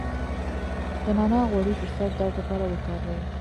د نعناع غوړي د سر درد لپاره وکاروئ